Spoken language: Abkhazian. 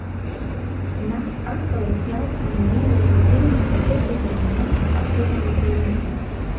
Нас ақалақь иалсны инеиуаз аӡымҩас ахықәахь ицан, акыраамҭа иныҟәон.